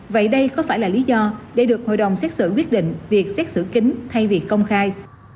vậy đây có phải là lý do để được hội đồng xét xử quyết định việc xét xử kính thay vì công khai